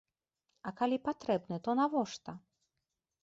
А калі патрэбны, то навошта?